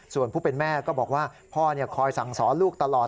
ส่วนผู้เป็นแม่ก็บอกว่าพ่อคอยสั่งสอนลูกตลอด